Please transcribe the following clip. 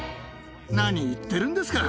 何、言ってるんですか。